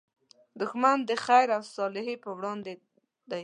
دښمن د خیر او صلحې پر وړاندې دی